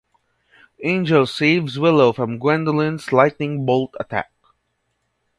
Angel saves Willow from Gwendolyn's lightning bolt attack.